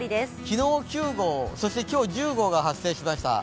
昨日、９号、そして今日、１０号が発生しました。